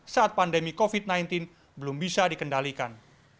saat pandemi covid sembilan belas belum bisa dikendalikan